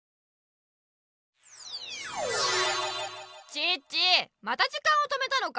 チッチまた時間を止めたのか。